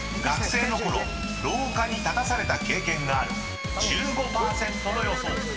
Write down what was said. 学生のころ廊下に立たされた経験がある１５％の予想］